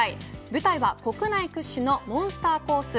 舞台は国内屈指のモンスターコース